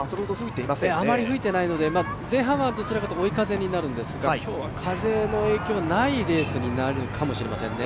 あまり吹いていないので、前半はどちらかというと追い風になるんですが、今日は風の影響がないレースになるかもしれませんね。